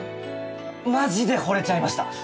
マジで惚れちゃいました。